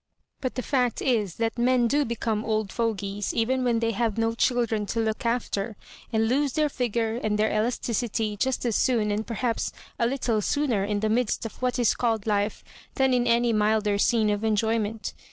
But the fact is that men do become old fogies even when they have no children to look after, and lose their figure and their elasticity just as soon and perhaps a little sooner in the midst of what is called life than in any milder scene of enjoyment.